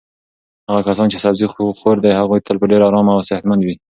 هغه کسان چې سبزي خور دي هغوی تل ډېر ارام او صحتمند وي.